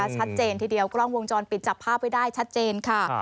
ชัดเจนทีเดียวกล้องวงจรปิดจับภาพไว้ได้ชัดเจนค่ะ